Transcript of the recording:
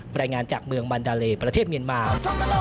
รายงานจากเมืองมันดาเลประเทศเมียนมา